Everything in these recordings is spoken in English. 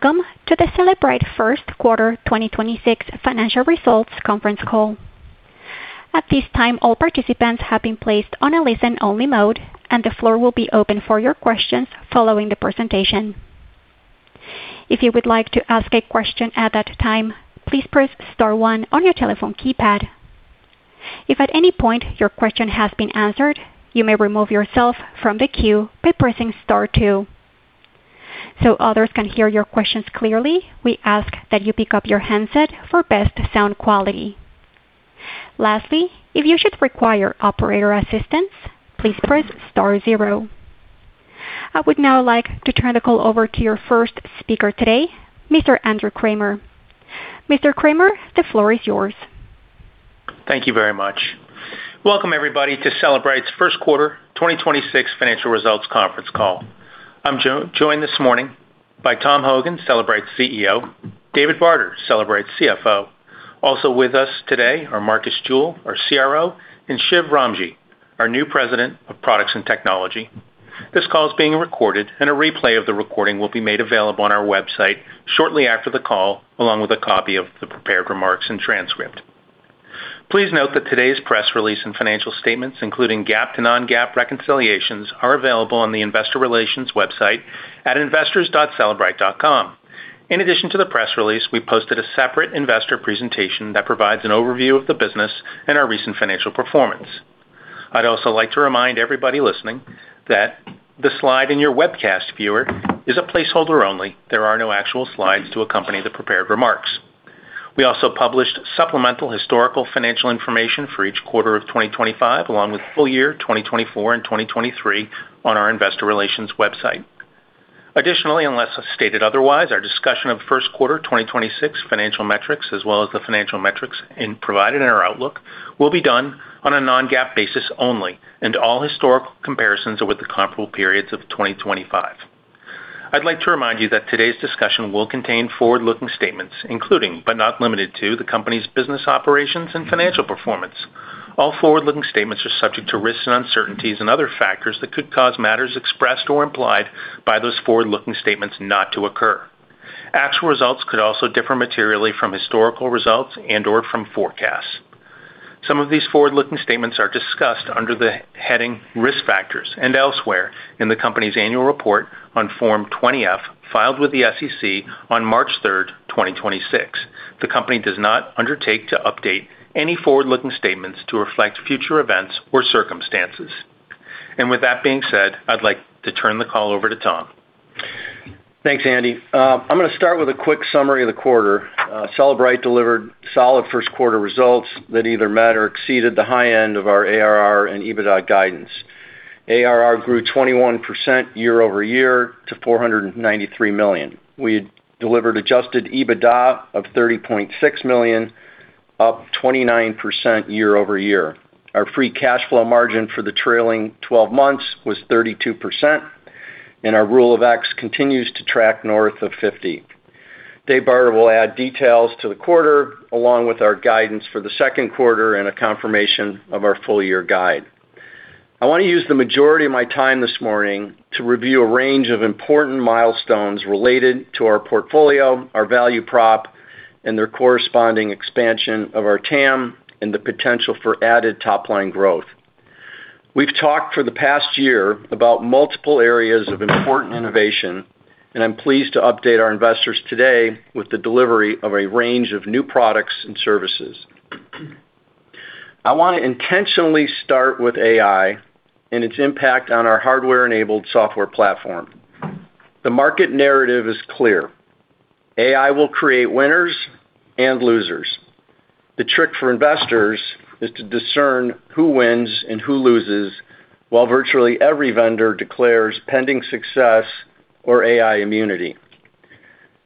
Welcome to the Cellebrite first quarter 2026 financial results conference call. At this time, all participants have been placed on a listen-only mode, and the floor will be open for your questions following the presentation. If you would like to ask a question at that time, please press star one on your telephone keypad. If at any point your question has been answered, you may remove yourself from the queue by pressing star two. So others can hear your questions clearly, we ask that you pick up your handset for best sound quality. Lastly, if you should require operator assistance, please press star zero. I would now like to turn the call over to your first speaker today, Mr. Andrew Kramer. Mr. Kramer, the floor is yours. Thank you very much. Welcome, everybody to Cellebrite's first quarter 2026 financial results conference call. I'm joined this morning by Tom Hogan, Cellebrite CEO, David Barter, Cellebrite CFO. Also with us today are Marcus Jewell, our CRO, and Shiv Ramji, our new President of Products and Technology. This call is being recorded, and a replay of the recording will be made available on our website shortly after the call, along with a copy of the prepared remarks and transcript. Please note that today's press release and financial statements, including GAAP to non-GAAP reconciliations, are available on the investor relations website at investors.cellebrite.com. In addition to the press release, we posted a separate investor presentation that provides an overview of the business and our recent financial performance. I'd also like to remind everybody listening that the slide in your webcast viewer is a placeholder only. There are no actual slides to accompany the prepared remarks. We also published supplemental historical financial information for each quarter of 2025 along with full year 2024 and 2023 on our investor relations website. Additionally, unless stated otherwise, our discussion of first quarter 2026 financial metrics as well as the financial metrics provided in our outlook will be done on a non-GAAP basis only, and all historical comparisons are with the comparable periods of 2025. I'd like to remind you that today's discussion will contain forward-looking statements, including, but not limited to, the company's business operations and financial performance. All forward-looking statements are subject to risks and uncertainties and other factors that could cause matters expressed or implied by those forward-looking statements not to occur. Actual results could also differ materially from historical results and/or from forecasts. Some of these forward-looking statements are discussed under the heading Risk Factors and elsewhere in the company's annual report on Form 20-F filed with the SEC on March 3rd, 2026. The company does not undertake to update any forward-looking statements to reflect future events or circumstances. With that being said, I'd like to turn the call over to Tom. Thanks, Andy. I'm gonna start with a quick summary of the quarter. Cellebrite delivered solid first quarter results that either met or exceeded the high end of our ARR and EBITDA guidance. ARR grew 21% year-over-year to $493 million. We delivered adjusted EBITDA of $30.6 million, up 29% year-over-year. Our free cash flow margin for the trailing 12 months was 32%, our rule of x continues to track north of 50. Dave Barter will add details to the quarter, along with our guidance for the second quarter and a confirmation of our full year guide. I wanna use the majority of my time this morning to review a range of important milestones related to our portfolio, our value prop, and their corresponding expansion of our TAM and the potential for added top-line growth. We've talked for the past year about multiple areas of important innovation, and I'm pleased to update our investors today with the delivery of a range of new products and services. I wanna intentionally start with AI and its impact on our hardware-enabled software platform. The market narrative is clear. AI will create winners and losers. The trick for investors is to discern who wins and who loses, while virtually every vendor declares pending success or AI immunity.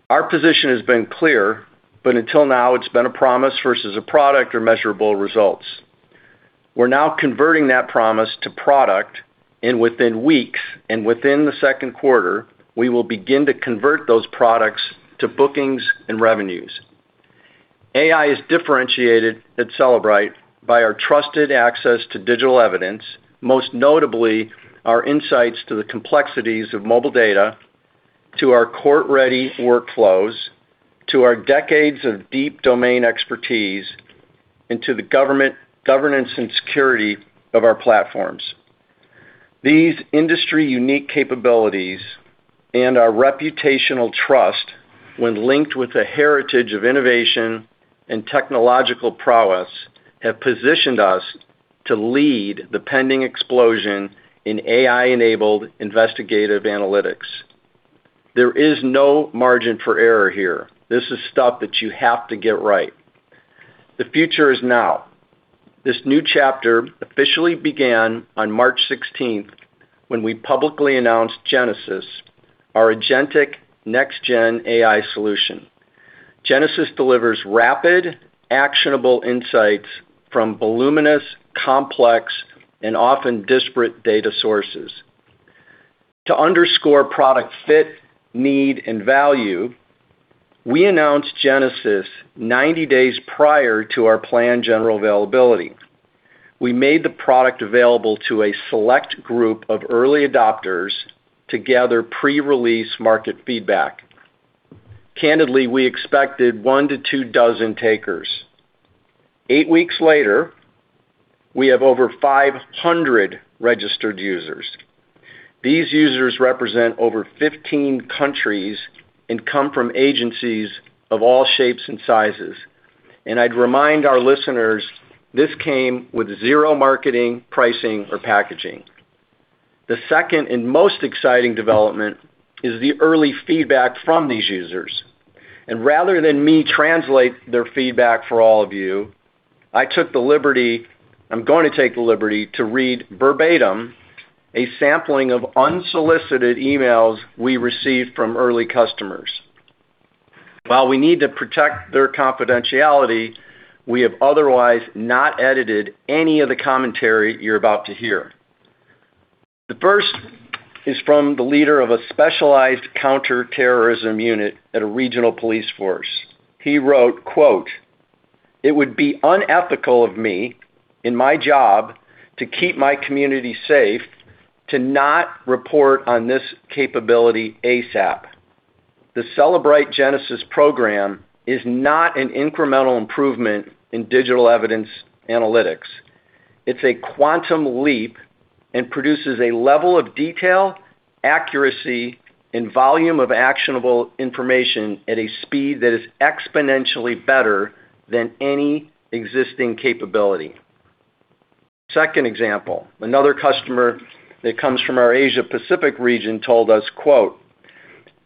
Our position has been clear, but until now it's been a promise versus a product or measurable results. We're now converting that promise to product, and within weeks, and within the second quarter, we will begin to convert those products to bookings and revenues. AI is differentiated at Cellebrite by our trusted access to digital evidence, most notably our insights to the complexities of mobile data, to our court-ready workflows, to our decades of deep domain expertise, and to the government, governance and security of our platforms. These industry-unique capabilities and our reputational trust when linked with a heritage of innovation and technological prowess, have positioned us to lead the pending explosion in AI-enabled investigative analytics. There is no margin for error here. This is stuff that you have to get right. The future is now. This new chapter officially began on March sixteenth when we publicly announced Genesis, our agentic next-gen AI solution. Genesis delivers rapid, actionable insights from voluminous, complex, and often disparate data sources. To underscore product fit, need, and value, we announced Genesis 90 days prior to our planned general availability. We made the product available to a select group of early adopters to gather pre-release market feedback. Candidly, we expected one to two dozen takers. Eight weeks later, we have over 500 registered users. These users represent over 15 countries and come from agencies of all shapes and sizes. I'd remind our listeners, this came with zero marketing, pricing, or packaging. The second and most exciting development is the early feedback from these users. Rather than me translate their feedback for all of you, I'm going to take the liberty to read verbatim a sampling of unsolicited emails we received from early customers. While we need to protect their confidentiality, we have otherwise not edited any of the commentary you're about to hear. The first is from the leader of a specialized counterterrorism unit at a regional police force. He wrote, quote, "It would be unethical of me, in my job to keep my community safe, to not report on this capability ASAP. The Cellebrite Genesis program is not an incremental improvement in digital evidence analytics. It's a quantum leap and produces a level of detail, accuracy, and volume of actionable information at a speed that is exponentially better than any existing capability." Second example, another customer that comes from our Asia Pacific region told us, quote,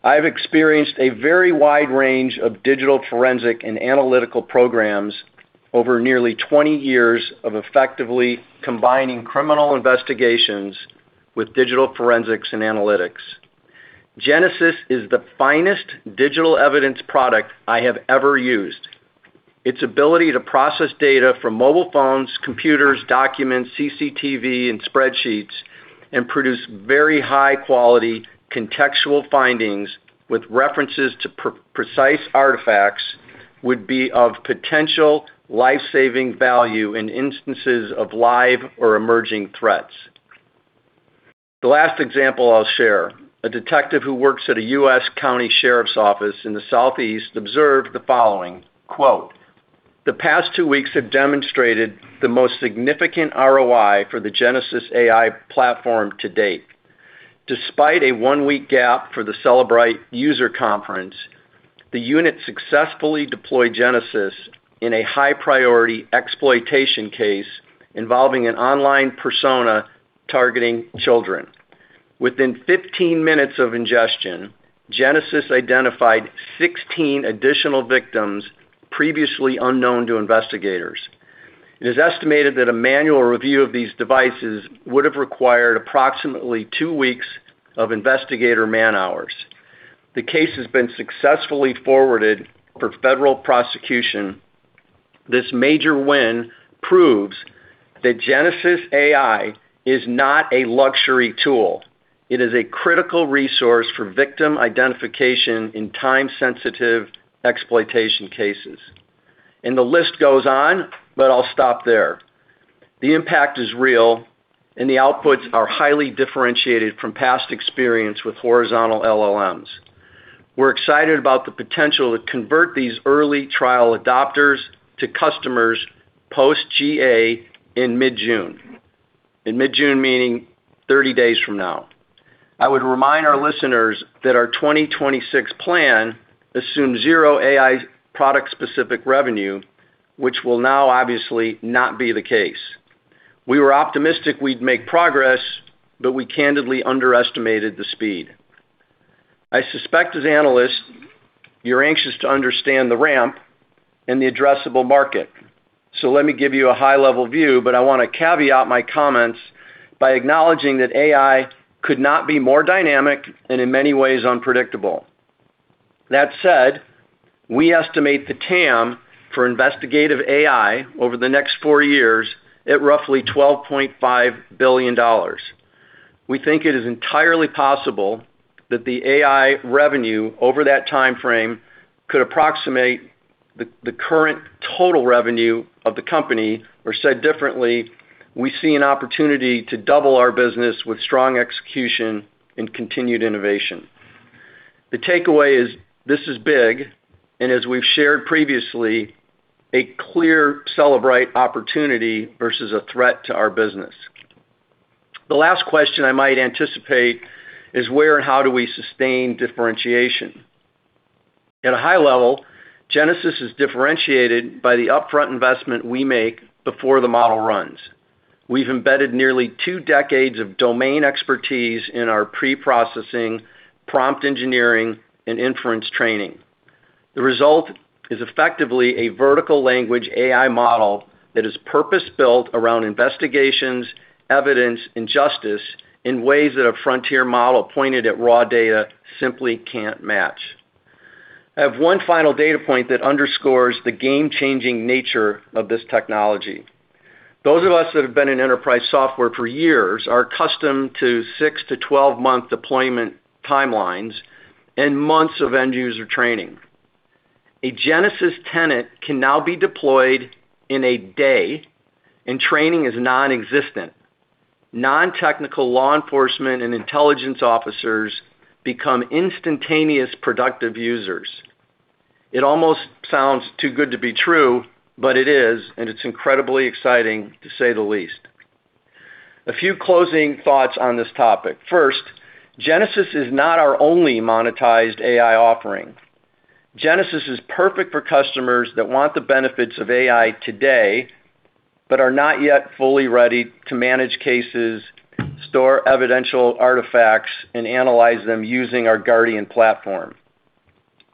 "I've experienced a very wide range of digital forensic and analytical programs over nearly 20 years of effectively combining criminal investigations with digital forensics and analytics. Genesis is the finest digital evidence product I have ever used. Its ability to process data from mobile phones, computers, documents, CCTV, and spreadsheets and produce very high-quality contextual findings with references to pre-precise artifacts would be of potential life-saving value in instances of live or emerging threats. The last example I'll share, a detective who works at a U.S. county sheriff's office in the Southeast observed the following, quote, "The past two weeks have demonstrated the most significant ROI for the Genesis AI platform to date. Despite a one-week gap for the Cellebrite user conference, the unit successfully deployed Genesis in a high-priority exploitation case involving an online persona targeting children. Within 15 minutes of ingestion, Genesis identified 16 additional victims previously unknown to investigators. It is estimated that a manual review of these devices would have required approximately two weeks of investigator man-hours. The case has been successfully forwarded for federal prosecution. This major win proves that Genesis AI is not a luxury tool. It is a critical resource for victim identification in time-sensitive exploitation cases. The list goes on, but I'll stop there. The impact is real, and the outputs are highly differentiated from past experience with horizontal LLMs. We're excited about the potential to convert these early trial adopters to customers post-GA in mid-June. In mid-June, meaning 30 days from now. I would remind our listeners that our 2026 plan assumes zero AI product-specific revenue, which will now obviously not be the case. We were optimistic we'd make progress, but we candidly underestimated the speed. I suspect as analysts, you're anxious to understand the ramp and the addressable market. Let me give you a high-level view, but I wanna caveat my comments by acknowledging that AI could not be more dynamic and in many ways unpredictable. That said, we estimate the TAM for investigative AI over the next four years at roughly $12.5 billion. We think it is entirely possible that the AI revenue over that timeframe could approximate the current total revenue of the company, or said differently, we see an opportunity to double our business with strong execution and continued innovation. The takeaway is this is big, as we've shared previously, a clear Cellebrite opportunity versus a threat to our business. The last question I might anticipate is where and how do we sustain differentiation? At a high level, Genesis is differentiated by the upfront investment we make before the model runs. We've embedded nearly two decades of domain expertise in our preprocessing, prompt engineering, and inference training. The result is effectively a vertical language AI model that is purpose-built around investigations, evidence, and justice in ways that a frontier model pointed at raw data simply can't match. I have one final data point that underscores the game-changing nature of this technology. Those of us that have been in enterprise software for years are accustomed to 6-12-month deployment timelines and months of end user training. A Genesis tenant can now be deployed in a day and training is non-existent. Non-technical law enforcement and intelligence officers become instantaneous productive users. It almost sounds too good to be true, but it is, and it's incredibly exciting to say the least. A few closing thoughts on this topic. First, Genesis is not our only monetized AI offering. Genesis is perfect for customers that want the benefits of AI today, but are not yet fully ready to manage cases, store evidential artifacts, and analyze them using our Guardian platform.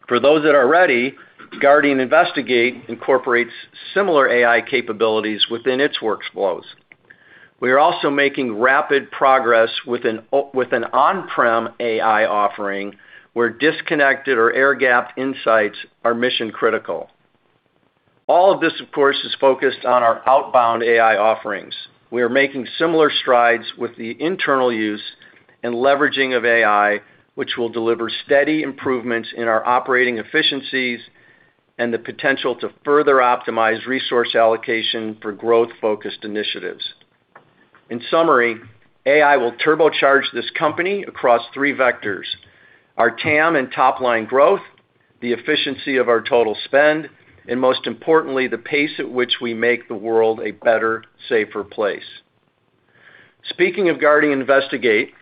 For those that are ready, Guardian Investigate incorporates similar AI capabilities within its workflows. We are also making rapid progress with an on-prem AI offering where disconnected or air-gapped insights are mission-critical. All of this, of course, is focused on our outbound AI offerings. We are making similar strides with the internal use and leveraging of AI, which will deliver steady improvements in our operating efficiencies and the potential to further optimize resource allocation for growth-focused initiatives. In summary, AI will turbocharge this company across three vectors, our TAM and top-line growth, the efficiency of our total spend, and most importantly, the pace at which we make the world a better, safer place. Speaking of Guardian Investigate,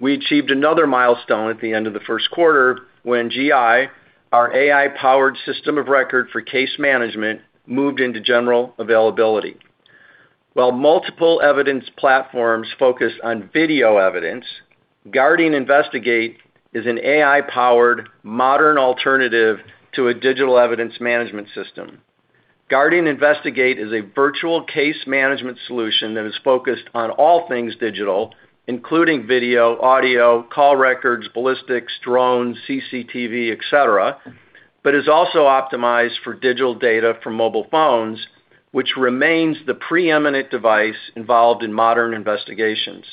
we achieved another milestone at the end of the first quarter when GI, our AI-powered system of record for case management, moved into general availability. While multiple evidence platforms focus on video evidence, Guardian Investigate is an AI-powered modern alternative to a digital evidence management system. Guardian Investigate is a virtual case management solution that is focused on all things digital, including video, audio, call records, ballistics, drones, CCTV, et cetera, but is also optimized for digital data from mobile phones, which remains the preeminent device involved in modern investigations.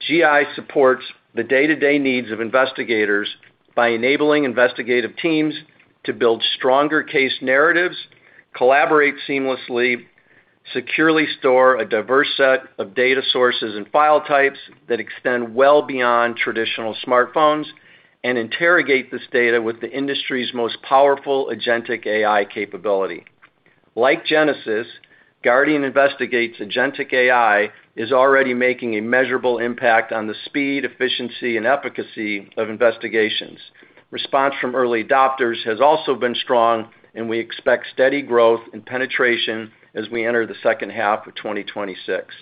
GI supports the day-to-day needs of investigators by enabling investigative teams to build stronger case narratives, collaborate seamlessly, securely store a diverse set of data sources and file types that extend well beyond traditional smartphones, and interrogate this data with the industry's most powerful agentic AI capability. Like Cellebrite Genesis, Guardian Investigate's agentic AI is already making a measurable impact on the speed, efficiency, and efficacy of investigations. Response from early adopters has also been strong, and we expect steady growth and penetration as we enter the second half of 2026.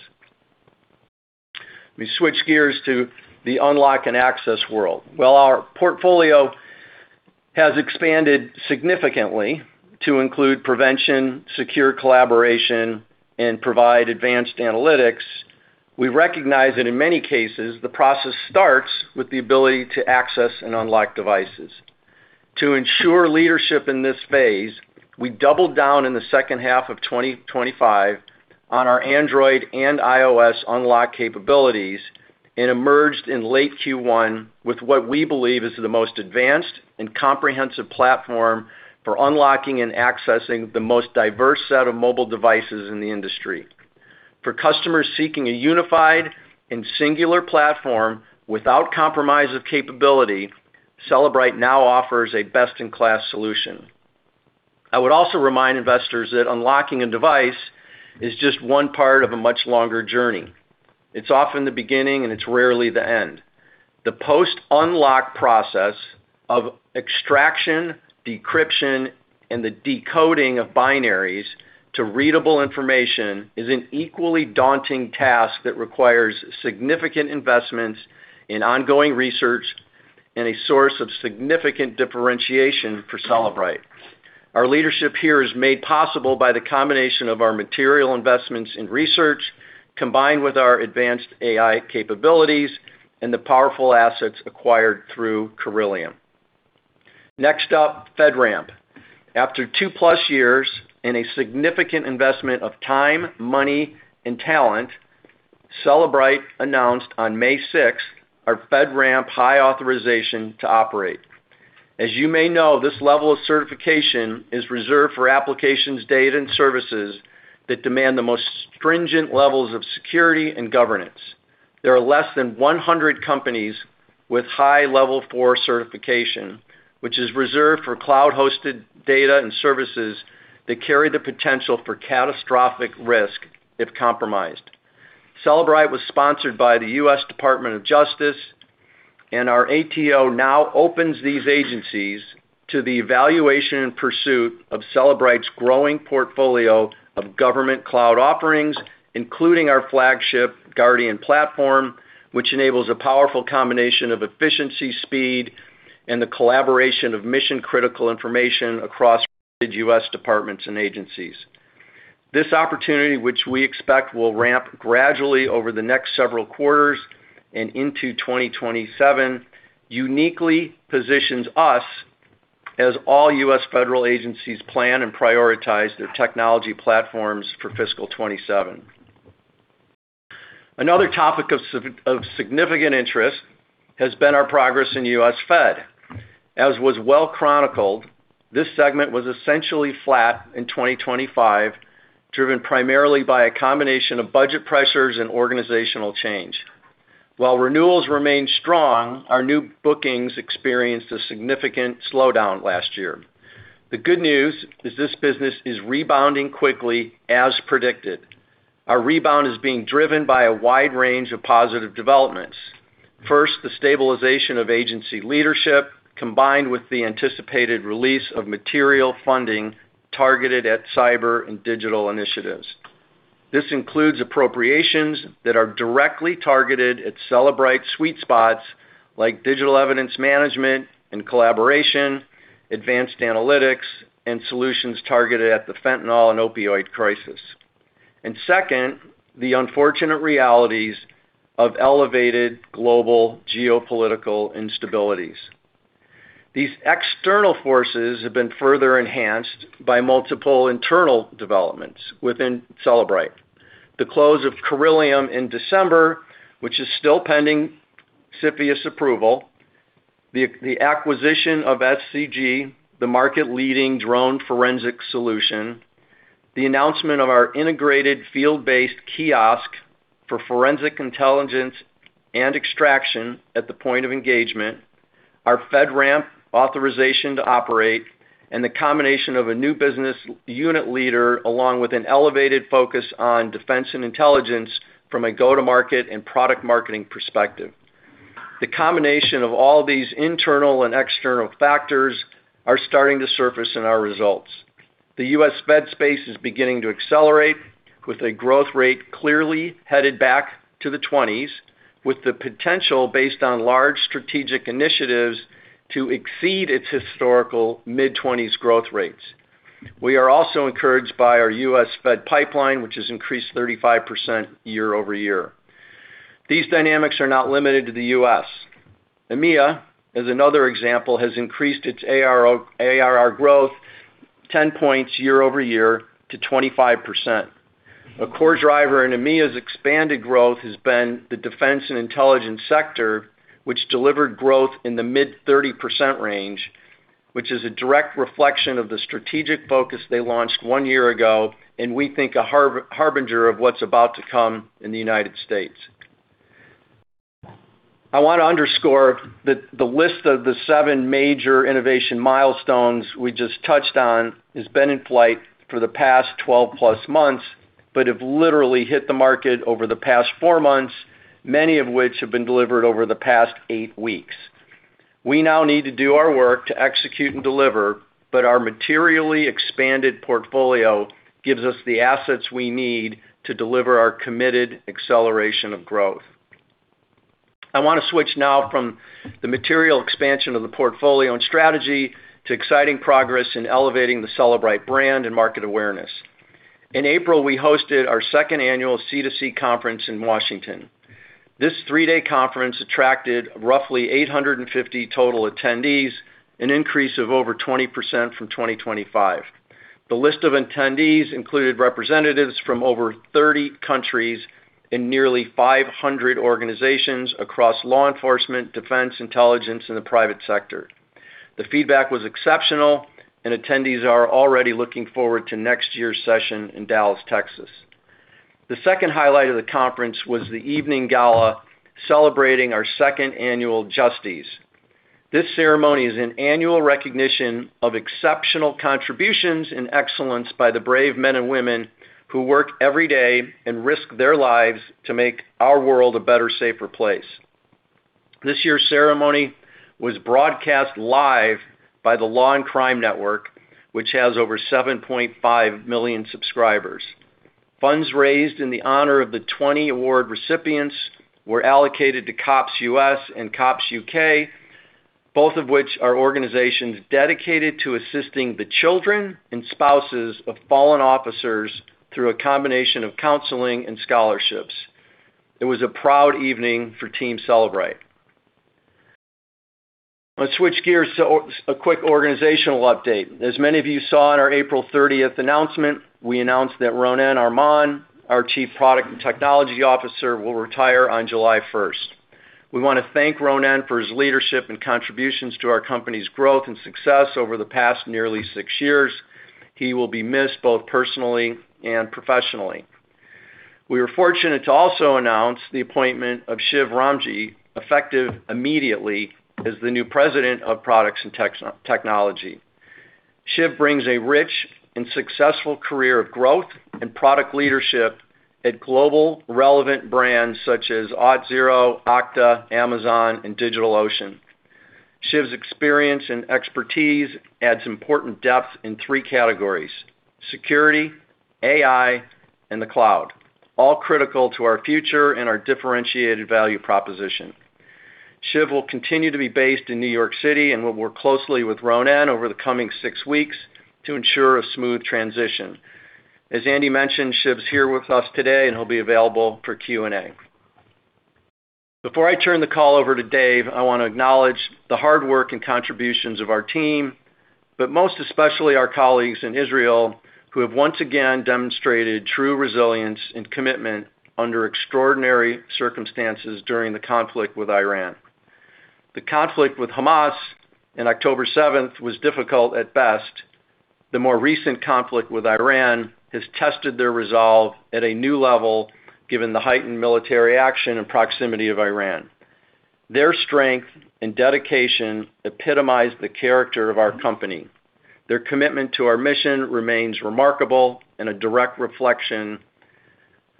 Let me switch gears to the unlock and access world. While our portfolio has expanded significantly to include prevention, secure collaboration, and provide advanced analytics, we recognize that in many cases, the process starts with the ability to access and unlock devices. To ensure leadership in this phase, we doubled down in the second half of 2025 on our Android and iOS unlock capabilities and emerged in late Q1 with what we believe is the most advanced and comprehensive platform for unlocking and accessing the most diverse set of mobile devices in the industry. For customers seeking a unified and singular platform without compromise of capability, Cellebrite now offers a best-in-class solution. I would also remind investors that unlocking a device is just one part of a much longer journey. It's often the beginning, and it's rarely the end. The post-unlock process of extraction, decryption, and the decoding of binaries to readable information is an equally daunting task that requires significant investments in ongoing research and a source of significant differentiation for Cellebrite. Our leadership here is made possible by the combination of our material investments in research combined with our advanced AI capabilities and the powerful assets acquired through Corellium. Next up, FedRAMP. After two plus years and a significant investment of time, money, and talent, Cellebrite announced on May 6th our FedRAMP high authorization to operate. As you may know, this level of certification is reserved for applications, data, and services that demand the most stringent levels of security and governance. There are less than 100 companies with high level four certification, which is reserved for cloud-hosted data and services that carry the potential for catastrophic risk if compromised. Cellebrite was sponsored by the U.S. Department of Justice, our ATO now opens these agencies to the evaluation and pursuit of Cellebrite's growing portfolio of government cloud offerings, including our flagship Guardian platform, which enables a powerful combination of efficiency, speed, and the collaboration of mission-critical information across related U.S. departments and agencies. This opportunity, which we expect will ramp gradually over the next several quarters and into 2027, uniquely positions us as all U.S. federal agencies plan and prioritize their technology platforms for fiscal 2027. Another topic of significant interest has been our progress in U.S. Fed. As was well chronicled, this segment was essentially flat in 2025, driven primarily by a combination of budget pressures and organizational change. While renewals remained strong, our new bookings experienced a significant slowdown last year. The good news is this business is rebounding quickly as predicted. Our rebound is being driven by a wide range of positive developments. First, the stabilization of agency leadership, combined with the anticipated release of material funding targeted at cyber and digital initiatives. This includes appropriations that are directly targeted at Cellebrite sweet spots like digital evidence management and collaboration, advanced analytics, and solutions targeted at the fentanyl and opioid crisis. Second, the unfortunate realities of elevated global geopolitical instabilities. These external forces have been further enhanced by multiple internal developments within Cellebrite. The close of Corellium in December, which is still pending CFIUS approval, the acquisition of SCG, the market-leading drone forensic solution, the announcement of our integrated field-based kiosk for forensic intelligence and extraction at the point of engagement, our FedRAMP authorization to operate, and the combination of a new business unit leader along with an elevated focus on defense and intelligence from a go-to-market and product marketing perspective. The combination of all these internal and external factors are starting to surface in our results. The U.S. Fed space is beginning to accelerate, with a growth rate clearly headed back to the 20s, with the potential, based on large strategic initiatives, to exceed its historical mid-20s growth rates. We are also encouraged by our U.S. Fed pipeline, which has increased 35% year-over-year. These dynamics are not limited to the U.S. EMEA, as another example, has increased its ARR growth 10 points year-over-year to 25%. A core driver in EMEA's expanded growth has been the defense and intelligence sector, which delivered growth in the mid-30% range, which is a direct reflection of the strategic focus they launched one year ago, and we think a harbinger of what's about to come in the U.S. I want to underscore that the list of the seven major innovation milestones we just touched on has been in flight for the past 12+ months, but have literally hit the market over the past four months, many of which have been delivered over the past eight weeks. We now need to do our work to execute and deliver, but our materially expanded portfolio gives us the assets we need to deliver our committed acceleration of growth. I wanna switch now from the material expansion of the portfolio and strategy to exciting progress in elevating the Cellebrite brand and market awareness. In April, we hosted our second annual C2C conference in Washington. This three-day conference attracted roughly 850 total attendees, an increase of over 20% from 2025. The list of attendees included representatives from over 30 countries and nearly 500 organizations across law enforcement, defense, intelligence, and the private sector. The feedback was exceptional. Attendees are already looking forward to next year's session in Dallas, Texas. The second highlight of the conference was the evening gala celebrating our second annual JUSTYS. This ceremony is an annual recognition of exceptional contributions and excellence by the brave men and women who work every day and risk their lives to make our world a better, safer place. This year's ceremony was broadcast live by the Law & Crime Network, which has over 7.5 million subscribers. Funds raised in the honor of the 20 award recipients were allocated to C.O.P.S. U.S. and C.O.P.S. U.K., both of which are organizations dedicated to assisting the children and spouses of fallen officers through a combination of counseling and scholarships. It was a proud evening for Team Cellebrite. Let's switch gears to a quick organizational update. As many of you saw in our April 30th announcement, we announced that Ronnen Armon, our Chief Product and Technology Officer, will retire on July 1st. We want to thank Ronnen for his leadership and contributions to our company's growth and success over the past nearly six years. He will be missed both personally and professionally. We were fortunate to also announce the appointment of Shiv Ramji, effective immediately, as the new President of Products and Technology. Shiv brings a rich and successful career of growth and product leadership at global relevant brands such as Auth0, Okta, Amazon, and DigitalOcean. Shiv's experience and expertise adds important depth in three categories: security, AI, and the cloud, all critical to our future and our differentiated value proposition. Shiv will continue to be based in New York City and will work closely with Ronnen over the coming six weeks to ensure a smooth transition. As Andy mentioned, Shiv's here with us today, and he'll be available for Q&A. Before I turn the call over to Dave, I want to acknowledge the hard work and contributions of our team, but most especially our colleagues in Israel, who have once again demonstrated true resilience and commitment under extraordinary circumstances during the conflict with Iran. The conflict with Hamas in October seventh was difficult at best. The more recent conflict with Iran has tested their resolve at a new level, given the heightened military action and proximity of Iran. Their strength and dedication epitomize the character of our company. Their commitment to our mission remains remarkable and a direct reflection,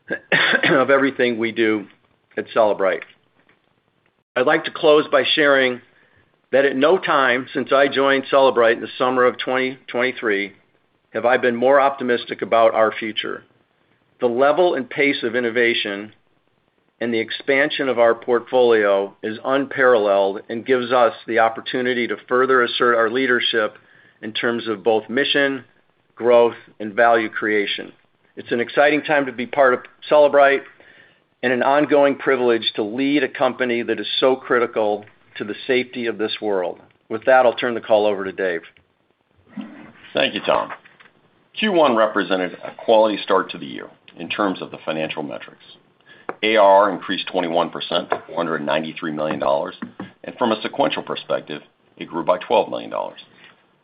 of everything we do at Cellebrite. I'd like to close by sharing that at no time since I joined Cellebrite in the summer of 2023 have I been more optimistic about our future. The level and pace of innovation and the expansion of our portfolio is unparalleled and gives us the opportunity to further assert our leadership in terms of both mission, growth, and value creation. It's an exciting time to be part of Cellebrite and an ongoing privilege to lead a company that is so critical to the safety of this world. With that, I'll turn the call over to Dave. Thank you, Tom. Q1 represented a quality start to the year in terms of the financial metrics. ARR increased 21% to $493 million, and from a sequential perspective, it grew by $12 million.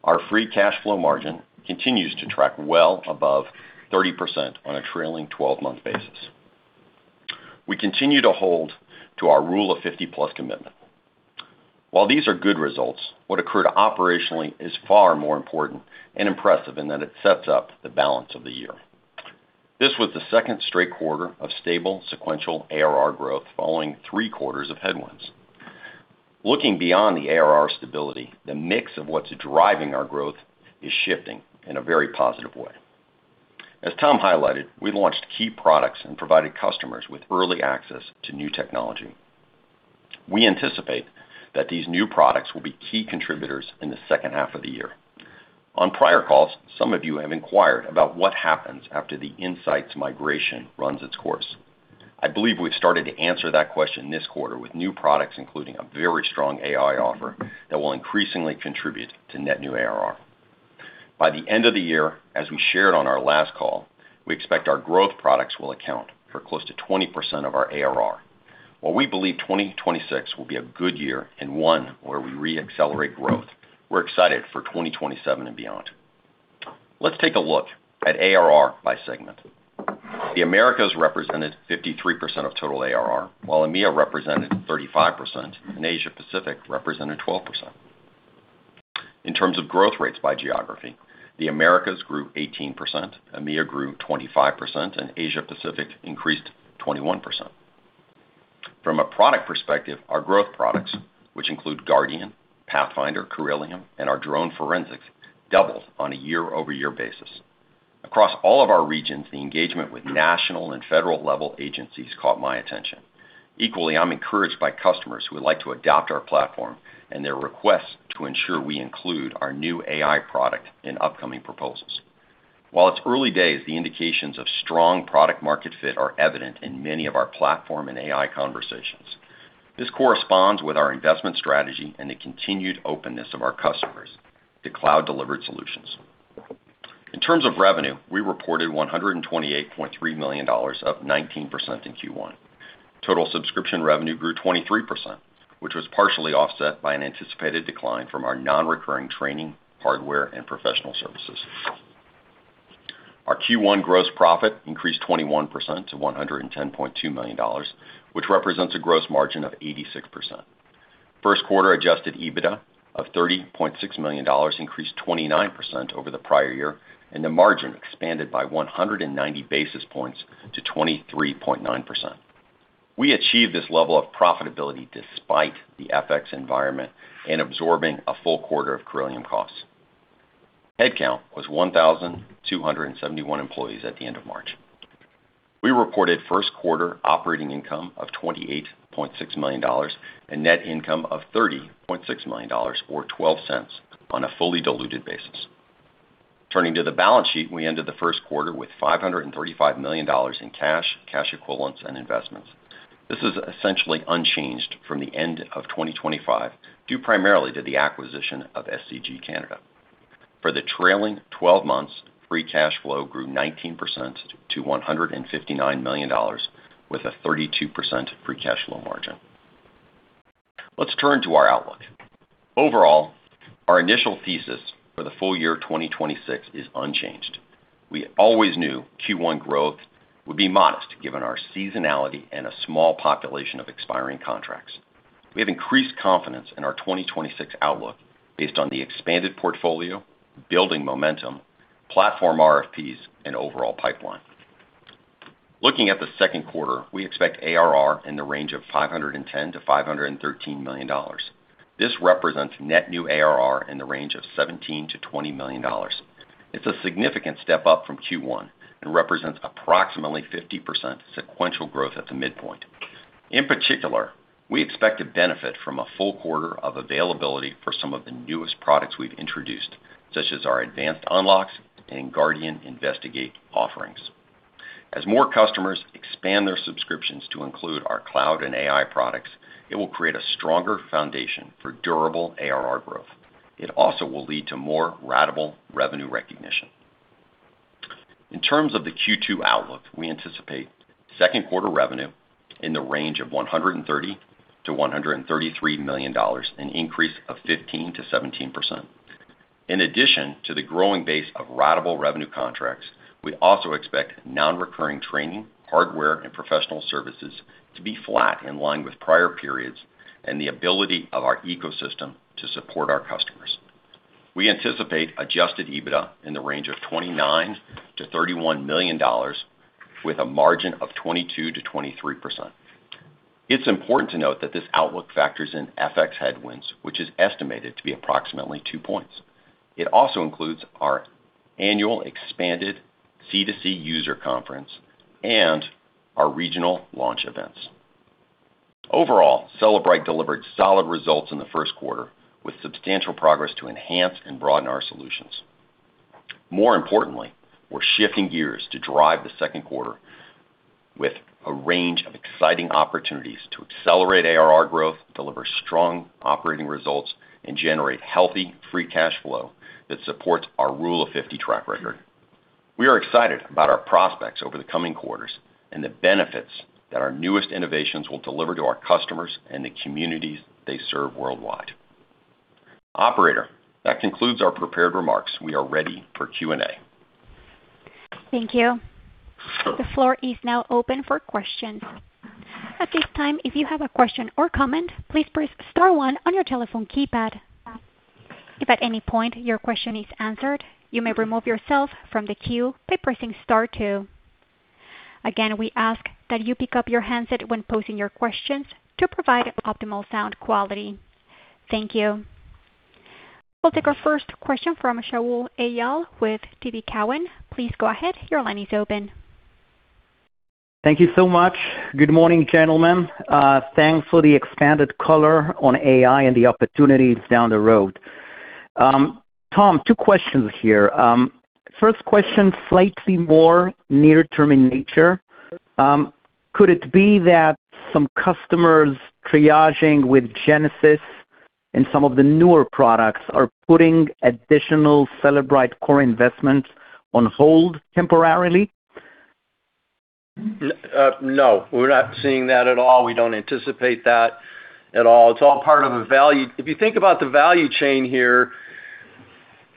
Our free cash flow margin continues to track well above 30% on a trailing 12-month basis. We continue to hold to our rule of 50+ commitment. While these are good results, what occurred operationally is far more important and impressive in that it sets up the balance of the year. This was the second straight quarter of stable sequential ARR growth following three quarters of headwinds. Looking beyond the ARR stability, the mix of what's driving our growth is shifting in a very positive way. As Tom highlighted, we launched key products and provided customers with early access to new technology. We anticipate that these new products will be key contributors in the second half of the year. On prior calls, some of you have inquired about what happens after the Inseyets migration runs its course. I believe we've started to answer that question this quarter with new products, including a very strong AI offer that will increasingly contribute to net new ARR. By the end of the year, as we shared on our last call, we expect our growth products will account for close to 20% of our ARR. While we believe 2026 will be a good year and one where we re-accelerate growth, we're excited for 2027 and beyond. Let's take a look at ARR by segment. The Americas represented 53% of total ARR, while EMEA represented 35% and Asia Pacific represented 12%. In terms of growth rates by geography, the Americas grew 18%, EMEA grew 25%, and Asia Pacific increased 21%. From a product perspective, our growth products, which include Guardian, Pathfinder, Corellium, and our drone forensics, doubled on a year-over-year basis. Across all of our regions, the engagement with national and federal-level agencies caught my attention. Equally, I'm encouraged by customers who would like to adopt our platform and their request to ensure we include our new AI product in upcoming proposals. While it's early days, the indications of strong product market fit are evident in many of our platform and AI conversations. This corresponds with our investment strategy and the continued openness of our customers to cloud-delivered solutions. In terms of revenue, we reported $128.3 million, up 19% in Q1. Total subscription revenue grew 23%, which was partially offset by an anticipated decline from our non-recurring training, hardware, and professional services. Our Q1 gross profit increased 21% to $110.2 million, which represents a gross margin of 86%. First quarter adjusted EBITDA of $30.6 million increased 29% over the prior year, and the margin expanded by 190 basis points to 23.9%. We achieved this level of profitability despite the FX environment and absorbing a full quarter of Corellium costs. Headcount was 1,271 employees at the end of March. We reported first quarter operating income of $28.6 million and net income of $30.6 million, or $0.12 on a fully diluted basis. Turning to the balance sheet, we ended the first quarter with $535 million in cash equivalents, and investments. This is essentially unchanged from the end of 2025, due primarily to the acquisition of SCG Canada. For the trailing 12 months, free cash flow grew 19% to $159 million with a 32% free cash flow margin. Let's turn to our outlook. Overall, our initial thesis for the full year 2026 is unchanged. We always knew Q1 growth would be modest given our seasonality and a small population of expiring contracts. We have increased confidence in our 2026 outlook based on the expanded portfolio, building momentum, platform RFPs, and overall pipeline. Looking at the second quarter, we expect ARR in the range of $510 million-$513 million. This represents net new ARR in the range of $17 million-$20 million. It's a significant step up from Q1 and represents approximately 50% sequential growth at the midpoint. In particular, we expect to benefit from a full quarter of availability for some of the newest products we've introduced, such as our advanced unlocks and Guardian Investigate offerings. As more customers expand their subscriptions to include our cloud and AI products, it will create a stronger foundation for durable ARR growth. It also will lead to more ratable revenue recognition. In terms of the Q2 outlook, we anticipate second quarter revenue in the range of $130 million-$133 million, an increase of 15%-17%. In addition to the growing base of ratable revenue contracts, we also expect non-recurring training, hardware, and professional services to be flat in line with prior periods and the ability of our ecosystem to support our customers. We anticipate adjusted EBITDA in the range of $29 million-$31 million with a margin of 22%-23%. It's important to note that this outlook factors in FX headwinds, which is estimated to be approximately two points. It also includes our annual expanded C2C user conference and our regional launch events. Overall, Cellebrite delivered solid results in the first quarter with substantial progress to enhance and broaden our solutions. More importantly, we're shifting gears to drive the second quarter with a range of exciting opportunities to accelerate ARR growth, deliver strong operating results, and generate healthy free cash flow that supports our Rule of 50 track record. We are excited about our prospects over the coming quarters and the benefits that our newest innovations will deliver to our customers and the communities they serve worldwide. Operator, that concludes our prepared remarks. We are ready for Q&A. Thank you. The floor is now open for questions. At this time, if you have a question or comment, please press star one on your telephone keypad. If at any point your question is answered, you may remove yourself from the queue by pressing star two. Again, we ask that you pick up your handset when posing your questions to provide optimal sound quality. Thank you. We'll take our first question from Shaul Eyal with TD Cowen. Please go ahead. Your line is open. Thank you so much. Good morning, gentlemen. Thanks for the expanded color on AI and the opportunities down the road. Tom, two questions here. First question, slightly more near-term in nature. Could it be that some customers triaging with Genesis and some of the newer products are putting additional Cellebrite core investments on hold temporarily? No, we're not seeing that at all. We don't anticipate that at all. It's all part of a value. If you think about the value chain here,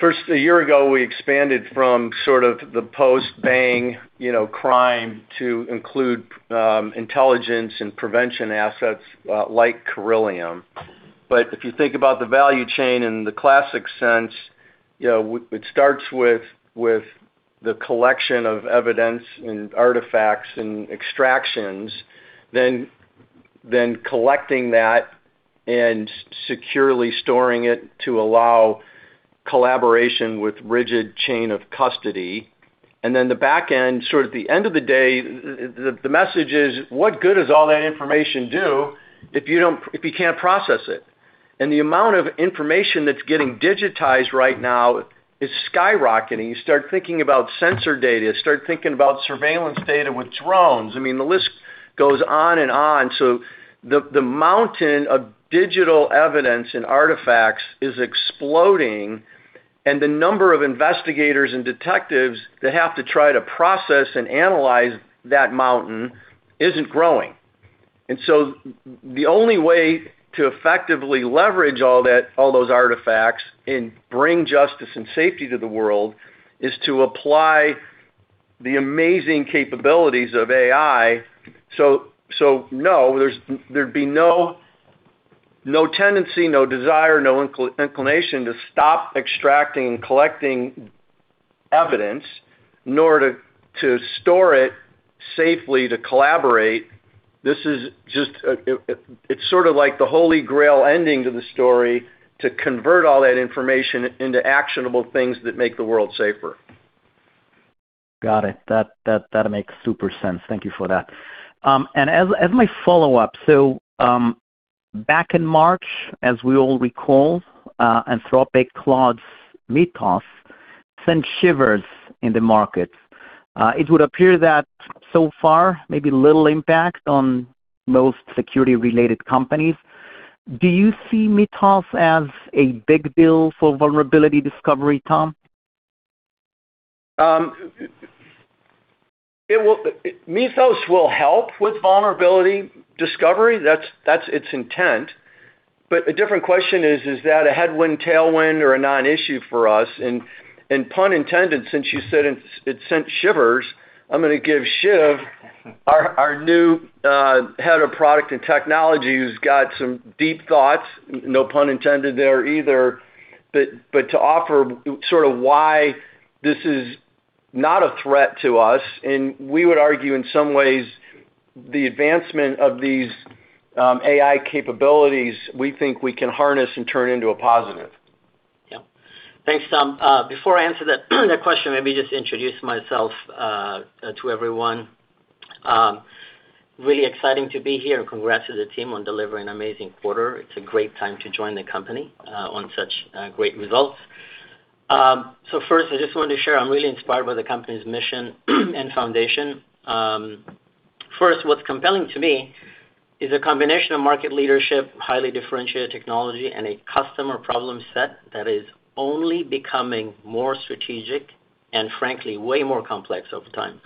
first, a year ago, we expanded from sort of the post-bang crime to include intelligence and prevention assets, like Corellium. If you think about the value chain in the classic sense, it starts with the collection of evidence and artifacts and extractions, then collecting that and securely storing it to allow collaboration with rigid chain of custody. Then the back end, sort of the end of the day, the message is, what good is all that information do if you can't process it? The amount of information that's getting digitized right now is skyrocketing. You start thinking about sensor data, start thinking about surveillance data with drones. I mean, the list goes on and on. The mountain of digital evidence and artifacts is exploding, and the number of investigators and detectives that have to try to process and analyze that mountain isn't growing. The only way to effectively leverage all those artifacts and bring justice and safety to the world is to apply the amazing capabilities of AI. No, there'd be no tendency, no desire, no inclination to stop extracting and collecting evidence, nor to store it safely to collaborate. This is just, it's sort of like the holy grail ending to the story to convert all that information into actionable things that make the world safer. Got it. That makes super sense. Thank you for that. As my follow-up, back in March, as we all recall, Anthropic's Claude Mythos sent shivers in the markets. It would appear that so far, maybe little impact on most security-related companies. Do you see Mythos as a big deal for vulnerability discovery, Tom? Mythos will help with vulnerability discovery. That's its intent. A different question is that a headwind, tailwind, or a non-issue for us? Pun intended, since you said it sent shivers, I'm gonna give Shiv our new head of product and technology who's got some deep thoughts, no pun intended there either. To offer sort of why this is not a threat to us, and we would argue in some ways the advancement of these AI capabilities, we think we can harness and turn into a positive. Yeah. Thanks, Tom. Before I answer that question, let me just introduce myself to everyone. Really exciting to be here, and congrats to the team on delivering an amazing quarter. It's a great time to join the company on such great results. First I just wanted to share, I'm really inspired by the company's mission and foundation. First, what's compelling to me is a combination of market leadership, highly differentiated technology, and a customer problem set that is only becoming more strategic and frankly, way more complex over time.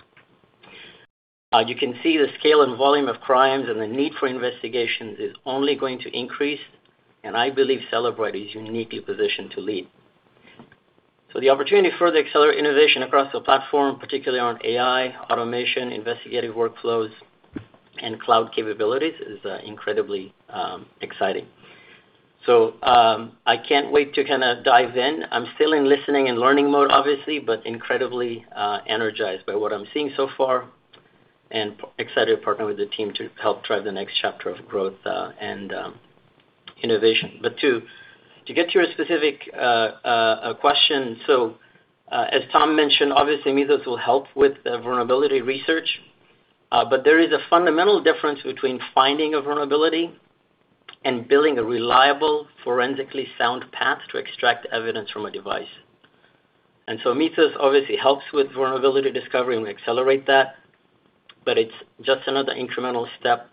As you can see, the scale and volume of crimes and the need for investigations is only going to increase, and I believe Cellebrite is uniquely positioned to lead. The opportunity to further accelerate innovation across the platform, particularly on AI, automation, investigative workflows, and cloud capabilities, is incredibly exciting. I can't wait to kind of dive in. I'm still in listening and learning mode, obviously, but incredibly energized by what I'm seeing so far and excited to partner with the team to help drive the next chapter of growth and innovation. To get to your specific question. As Tom mentioned, obviously, Mythos will help with the vulnerability research, but there is a fundamental difference between finding a vulnerability and building a reliable, forensically sound path to extract evidence from a device. Mythos obviously helps with vulnerability discovery, and we accelerate that, but it's just another incremental step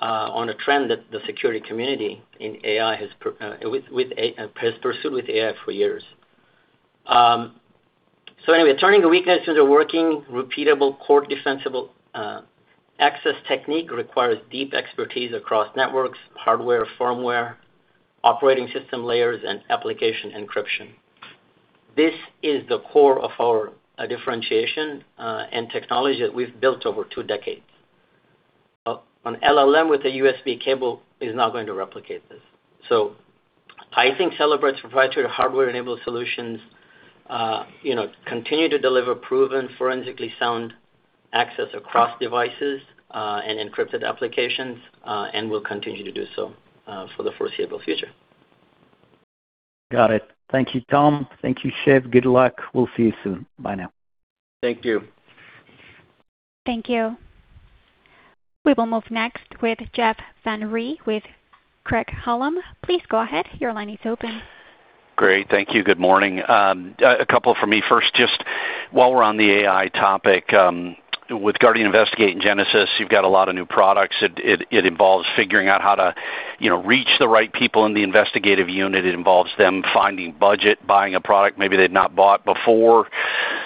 on a trend that the security community in AI has pursued with AI for years. Anyway, turning a weakness into a working, repeatable, court-defensible access technique requires deep expertise across networks, hardware, firmware, operating system layers, and application encryption. This is the core of our differentiation and technology that we've built over two decades. An LLM with a USB cable is not going to replicate this. I think Cellebrite's proprietary hardware-enabled solutions, you know, continue to deliver proven forensically sound access across devices, and encrypted applications, and will continue to do so, for the foreseeable future. Got it. Thank you, Tom. Thank you, Shiv. Good luck. We'll see you soon. Bye now. Thank you. Thank you. We will move next with Jeff Van Rhee with Craig-Hallum. Please go ahead. Your line is open. Great. Thank you. Good morning. A couple for me. First, just while we're on the AI topic, with Guardian Investigate and Genesis, you've got a lot of new products. It involves figuring out how to, you know, reach the right people in the investigative unit. It involves them finding budget, buying a product maybe they've not bought before.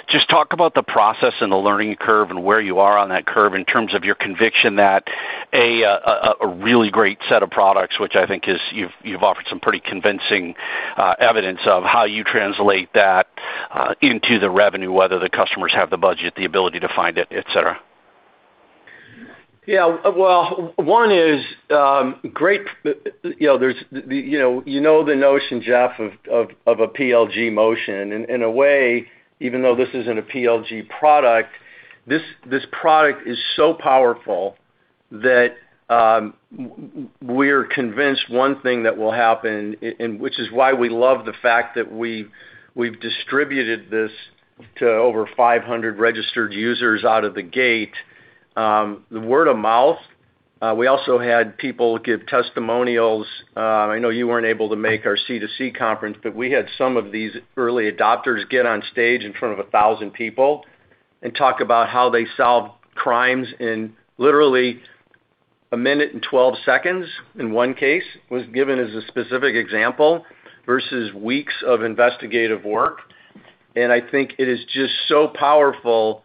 Just talk about the process and the learning curve and where you are on that curve in terms of your conviction that a really great set of products, which I think is you've offered some pretty convincing evidence of how you translate that into the revenue, whether the customers have the budget, the ability to find it, et cetera. Yeah. Well, one is, great You know, there's the, you know, you know the notion, Jeff, of a PLG motion. In a way, even though this isn't a PLG product, this product is so powerful that we are convinced one thing that will happen, and which is why we love the fact that we've distributed this to over 500 registered users out of the gate. The word of mouth, we also had people give testimonials. I know you weren't able to make our C2C conference, but we had some of these early adopters get on stage in front of 1,000 people and talk about how they solved crimes in literally one minute and 12 seconds in one case, was given as a specific example, versus weeks of investigative work. I think it is just so powerful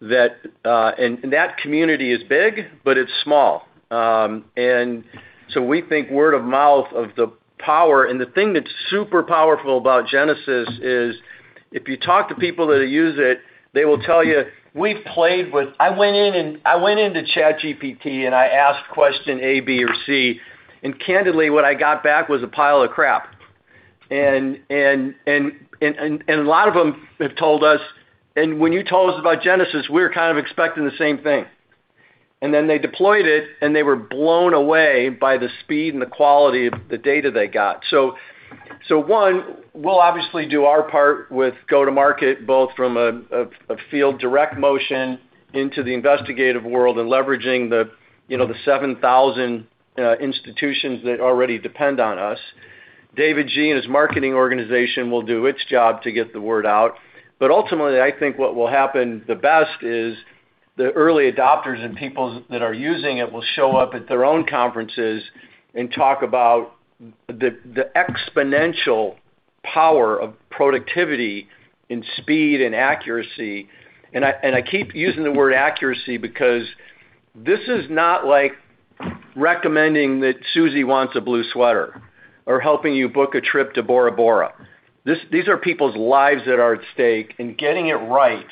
that that community is big, but it's small. We think word of mouth of the power, and the thing that's super powerful about Cellebrite Genesis is if you talk to people that use it, they will tell you, "We've played with I went into ChatGPT, and I asked question A, B, or C, and candidly, what I got back was a pile of crap." A lot of them have told us, "When you told us about Cellebrite Genesis, we were kind of expecting the same thing." They deployed it, and they were blown away by the speed and the quality of the data they got. One, we'll obviously do our part with go-to-market, both from a field direct motion into the investigative world and leveraging, you know, the 7,000 institutions that already depend on us. David Gee and his marketing organization will do its job to get the word out. Ultimately, I think what will happen the best is the early adopters and peoples that are using it will show up at their own conferences and talk about the exponential power of productivity and speed and accuracy. I keep using the word accuracy because this is not like recommending that Susie wants a blue sweater or helping you book a trip to Bora Bora. These are people's lives that are at stake, and getting it right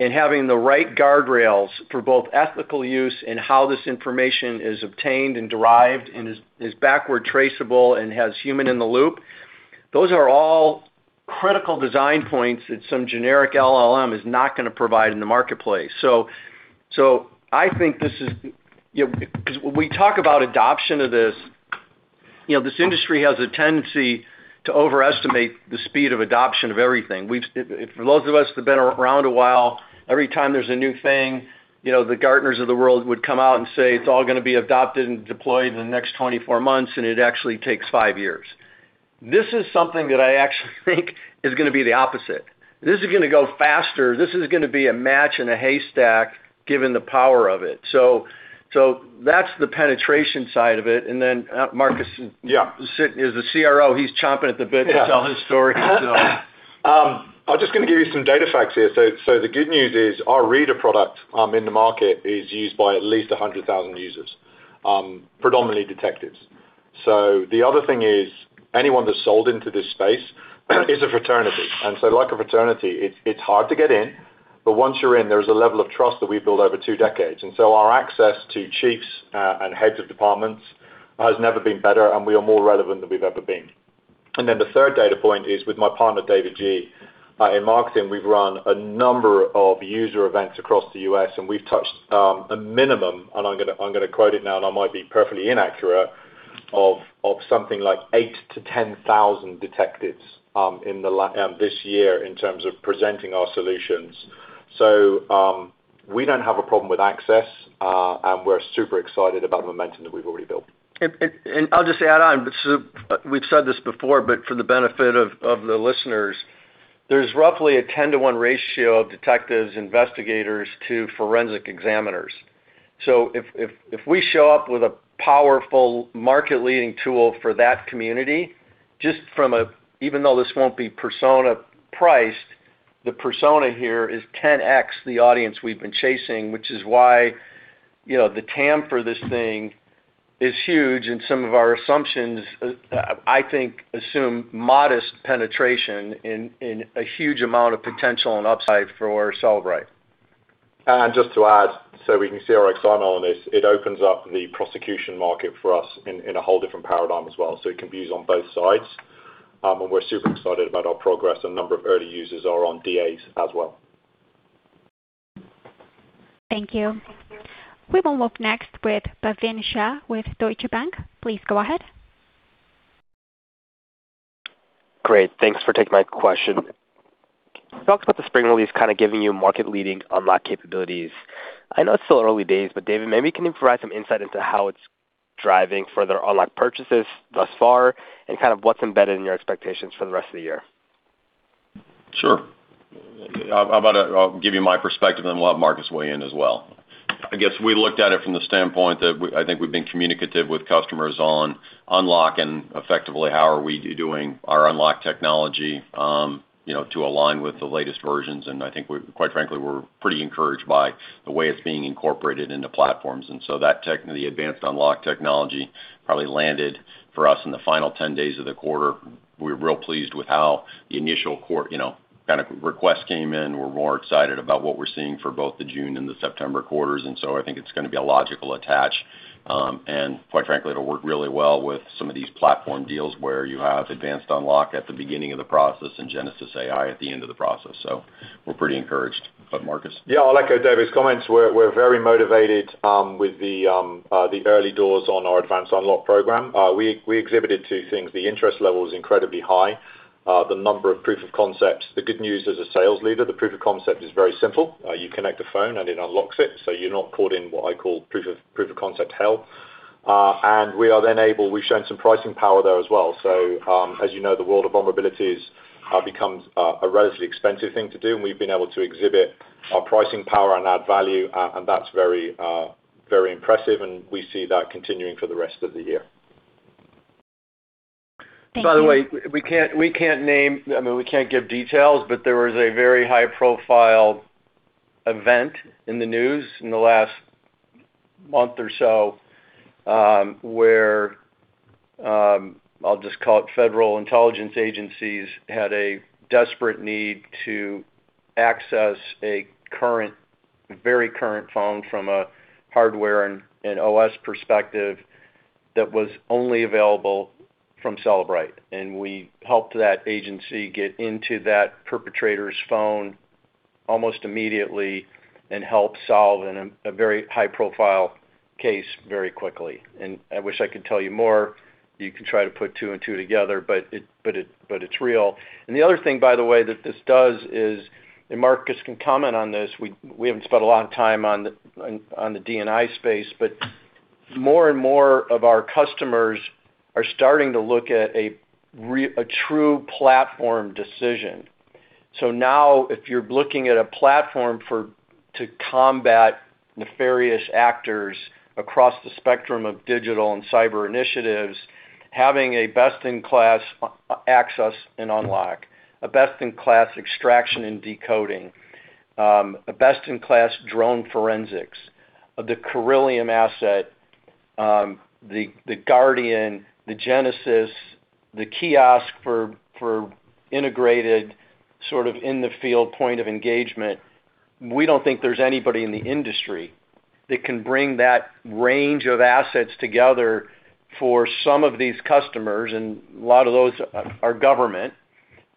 and having the right guardrails for both ethical use and how this information is obtained and derived and is backward traceable and has human in the loop, those are all critical design points that some generic LLM is not gonna provide in the marketplace. I think this is, you know, 'cause when we talk about adoption of this, you know, this industry has a tendency to overestimate the speed of adoption of everything. We've For those of us that have been around a while, every time there's a new thing. You know, the Gartner of the world would come out and say it's all gonna be adopted and deployed in the next 24 months, it actually takes five years. This is something that I actually think is gonna be the opposite. This is gonna go faster. This is gonna be a match in a haystack given the power of it. That's the penetration side of it. Marcus- Yeah. As the CRO, he's chomping at the bit. Yeah. To tell his story. I'm just gonna give you some data facts here. The good news is our Reader product, in the market is used by at least 100,000 users, predominantly detectives. The other thing is anyone that's sold into this space is a fraternity. Like a fraternity, it's hard to get in, but once you're in, there's a level of trust that we've built over two decades. Our access to chiefs, and heads of departments has never been better, and we are more relevant than we've ever been. The third data point is with my partner, David Gee. In marketing, we've run a number of user events across the U.S., and we've touched a minimum, and I'm gonna quote it now, and I might be perfectly inaccurate, of something like 8,000-10,000 detectives this year in terms of presenting our solutions. We don't have a problem with access, and we're super excited about the momentum that we've already built. I'll just add on. We've said this before, but for the benefit of the listeners, there's roughly a 10:1 ratio of detectives, investigators to forensic examiners. If we show up with a powerful market-leading tool for that community, just from a even though this won't be persona priced, the persona here is 10x the audience we've been chasing, which is why, you know, the TAM for this thing is huge. Some of our assumptions, I think assume modest penetration in a huge amount of potential and upside for Cellebrite. Just to add, we can see our example on this. It opens up the prosecution market for us in a whole different paradigm as well. It can be used on both sides. We're super excited about our progress and number of early users are on DAs as well. Thank you. We will move next with Bhavin Shah with Deutsche Bank. Please go ahead. Great. Thanks for taking my question. You talked about the spring release kind of giving you market leading unlock capabilities. I know it's still early days, David, maybe you can provide some insight into how it's driving further unlock purchases thus far, and kind of what's embedded in your expectations for the rest of the year. Sure. How about I'll give you my perspective, and then we'll have Marcus weigh in as well. I guess we looked at it from the standpoint that we I think we've been communicative with customers on unlocking effectively, how are we doing our unlock technology, you know, to align with the latest versions. I think we're quite frankly, we're pretty encouraged by the way it's being incorporated into platforms. So that the advanced unlock technology probably landed for us in the final 10 days of the quarter. We're real pleased with how the initial you know, kind of request came in. We're more excited about what we're seeing for both the June and the September quarters, I think it's gonna be a logical attach. Quite frankly, it'll work really well with some of these platform deals where you have Advanced Unlock at the beginning of the process and Genesis AI at the end of the process. We're pretty encouraged. Marcus. I'll echo David's comments. We're very motivated with the early doors on our Advanced Unlock Program. We exhibited two things. The interest level is incredibly high. The number of proof of concepts, the good news as a sales leader, the proof of concept is very simple. You connect the phone, and it unlocks it, so you're not caught in what I call proof of concept hell. We've shown some pricing power there as well. As you know, the world of vulnerabilities becomes a relatively expensive thing to do, and we've been able to exhibit our pricing power and add value, and that's very impressive, and we see that continuing for the rest of the year. Thank you. By the way, we can't name, I mean, we can't give details, but there was a very high profile event in the news in the last month or so, where I'll just call it federal intelligence agencies had a desperate need to access a current, very current phone from a hardware and OS perspective that was only available from Cellebrite. We helped that agency get into that perpetrator's phone almost immediately and help solve in a very high profile case very quickly. I wish I could tell you more. You can try to put two and two together, but it's real. The other thing, by the way, that this does is, Marcus can comment on this, we haven't spent a lot of time on the DNI space, but more and more of our customers are starting to look at a true platform decision. Now if you're looking at a platform to combat nefarious actors across the spectrum of digital and cyber initiatives, having a best-in-class access and unlock, a best-in-class extraction and decoding, a best-in-class drone forensics, the Corellium asset, the Guardian, the Genesis, the kiosk for integrated sort of in-the-field point of engagement. We don't think there's anybody in the industry that can bring that range of assets together for some of these customers, and a lot of those are government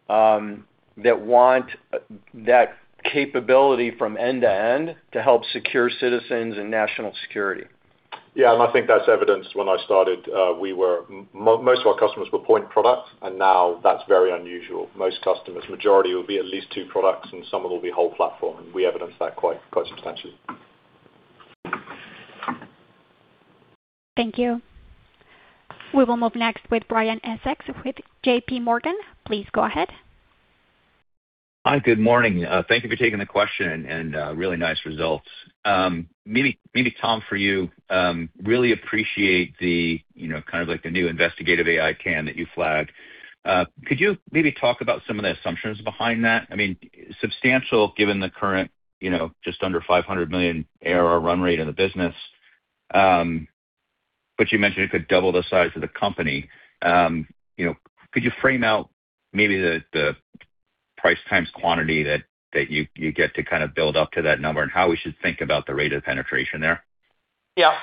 that want that capability from end to end to help secure citizens and national security. Yeah, I think that's evidenced when I started, most of our customers were point products, and now that's very unusual. Most customers, majority will be at least two products, and some of them will be whole platform, and we evidence that quite substantially. Thank you. We will move next with Brian Essex with JPMorgan. Please go ahead. Hi, good morning. Thank you for taking the question and, really nice results. Maybe Tom, for you, really appreciate the, you know, kind of like the new investigative AI can that you flagged. Could you maybe talk about some of the assumptions behind that? I mean, substantial given the current, you know, just under $500 million ARR run rate in the business. You mentioned it could double the size of the company. You know, could you frame out maybe the price times quantity that you get to kind of build up to that number, and how we should think about the rate of penetration there? Yeah.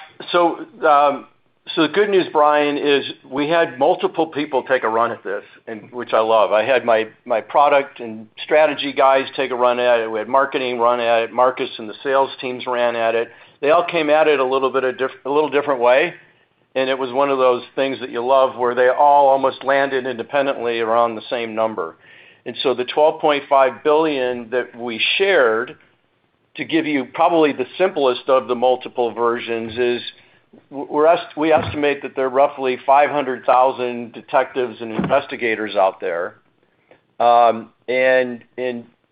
The good news, Brian, is we had multiple people take a run at this, and which I love. I had my product and strategy guys take a run at it. We had marketing run at it. Marcus and the sales teams ran at it. They all came at it a little bit a little different way, and it was one of those things that you love, where they all almost landed independently around the same number. The $12.5 billion that we shared, to give you probably the simplest of the multiple versions, is we estimate that there are roughly 500,000 detectives and investigators out there.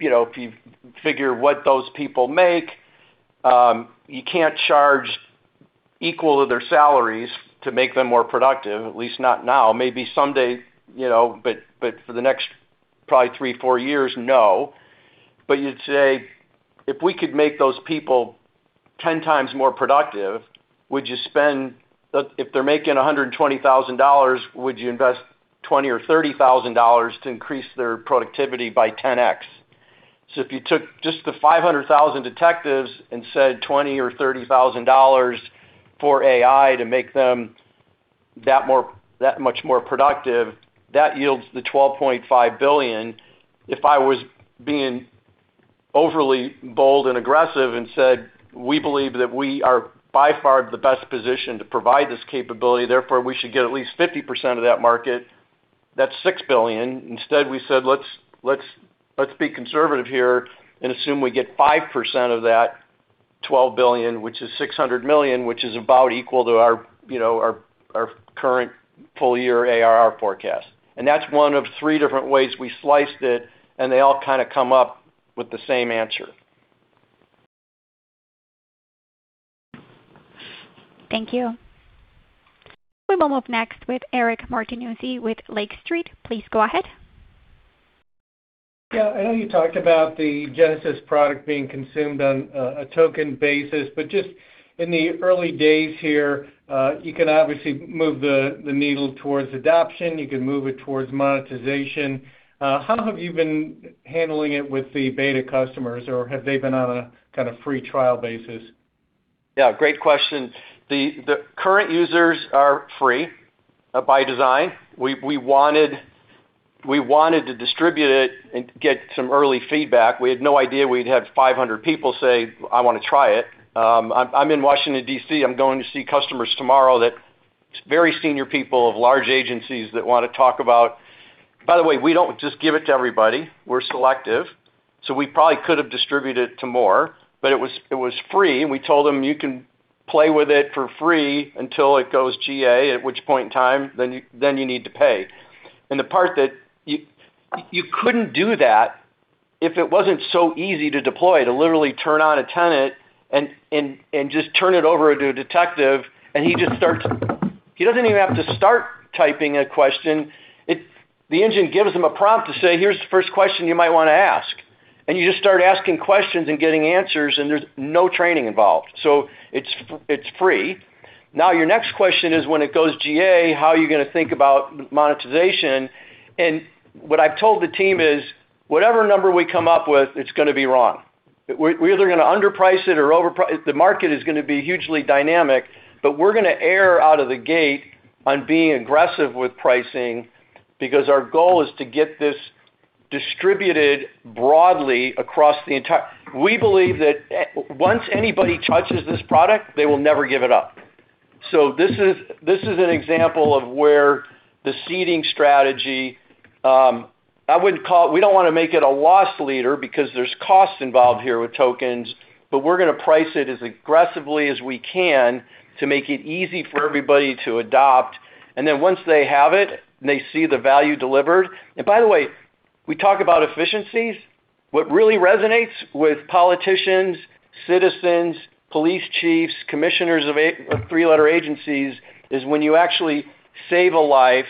You know, if you figure what those people make, you can't charge equal to their salaries to make them more productive, at least not now. Maybe someday, you know, but for the next probably three, four years, no. You'd say, if we could make those people 10 times more productive, would you spend If they're making $120,000, would you invest $20,000 or $30,000 to increase their productivity by 10x? If you took just the 500,000 detectives and said $20,000 or $30,000 for AI to make them that much more productive, that yields the $12.5 billion. If I was being overly bold and aggressive and said, we believe that we are by far the best positioned to provide this capability, therefore, we should get at least 50% of that market, that's $6 billion. Instead, we said, let's be conservative here and assume we get 5% of that $12 billion, which is $600 million, which is about equal to our, you know, our current full year ARR forecast. That's one of three different ways we sliced it, and they all kind of come up with the same answer. Thank you. We will move next with Eric Martinuzzi with Lake Street. Please go ahead. Yeah. I know you talked about the Genesis product being consumed on a token basis. Just in the early days here, you can obviously move the needle towards adoption, you can move it towards monetization. How have you been handling it with the beta customers, or have they been on a kind of free trial basis? Yeah, great question. The current users are free by design. We wanted to distribute it and get some early feedback. We had no idea we'd have 500 people say, "I wanna try it." I'm in Washington D.C. I'm going to see customers tomorrow. We don't just give it to everybody. We're selective. We probably could have distributed it to more, but it was free, and we told them, "You can play with it for free until it goes GA, at which point in time, then you need to pay." The part that you couldn't do that if it wasn't so easy to deploy, to literally turn on a tenant and just turn it over to a detective, and he doesn't even have to start typing a question. The engine gives him a prompt to say, "Here's the first question you might wanna ask." You just start asking questions and getting answers, and there's no training involved. It's free. Now, your next question is, when it goes GA, how are you gonna think about monetization? What I've told the team is, whatever number we come up with, it's gonna be wrong. We're either gonna underprice it or The market is gonna be hugely dynamic, but we're gonna err out of the gate on being aggressive with pricing because our goal is to get this distributed broadly across the entire We believe that once anybody touches this product, they will never give it up. This is an example of where the seeding strategy, We don't wanna make it a loss leader because there's costs involved here with tokens, but we're gonna price it as aggressively as we can to make it easy for everybody to adopt. Once they have it and they see the value delivered. By the way, we talk about efficiencies. What really resonates with politicians, citizens, police chiefs, commissioners of three-letter agencies, is when you actually save a life,